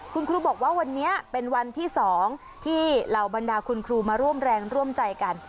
คุณครูบอกว่าวันนี้เป็นวันที่๒ที่เหล่าบรรดาคุณครูมาร่วมแรงร่วมใจกัน